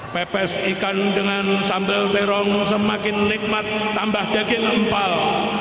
pepes ikan dengan sambal terong semakin nikmat tambah daging empal